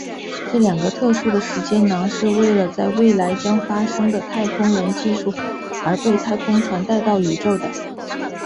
这两个特殊的时间囊是为了在未来将发展的太空人技术而被太空船带到宇宙的。